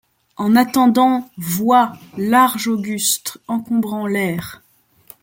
En attendant, vois : large, auguste, encombrant l’air